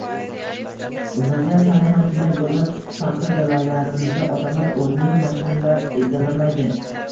Vaziyat hali ham shunday bo'lgan paxta dalalarimizda odamlar o'rnini mashinalar egallamaydi